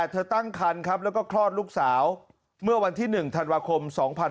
เธอตั้งครรภ์ครับแล้วก็คลอดลูกสาวเมื่อวันที่๑ธาตุวาคม๒๕๕๘